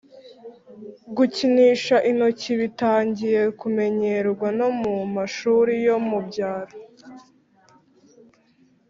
gukinisha intoki bitangiye kumenyerwa no mu mashuri yo mu byaro